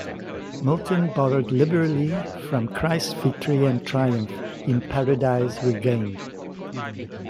Milton borrowed liberally from "Christ's Victory and Triumph" in "Paradise Regained".